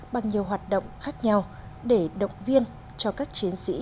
bằng nhiều hoạt động khác nhau để động viên cho các chiến sĩ